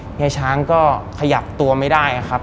เฮียช้างก็ขยับตัวไม่ได้ครับ